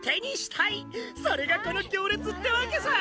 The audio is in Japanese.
それがこの行列ってわけさ！